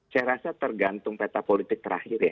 saya rasa tergantung peta politik terakhir ya